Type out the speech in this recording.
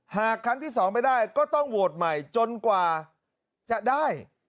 หากครั้งที่๒ไม่ได้ก็ต้องโหวตใหม่จนกว่าจะได้